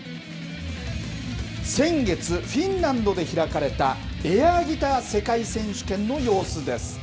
先月、フィンランドで開かれた、エアギター世界選手権の様子です。